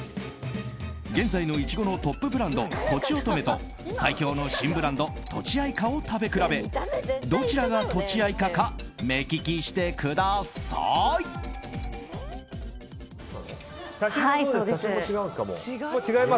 現在のイチゴのトップブランドとちおとめと最強の新ブランドとちあいかを食べ比べどちらが、とちあいかか目利きしてください。